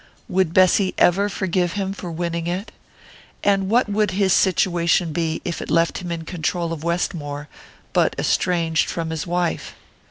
Would Bessy ever forgive him for winning it? And what would his situation be, if it left him in control of Westmore but estranged from his wife?